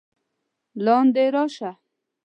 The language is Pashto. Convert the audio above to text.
لاندې راشه!